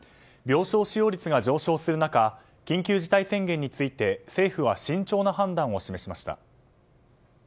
病床使用率が上昇する中緊急事態宣言について政府は慎重な判断を示しました。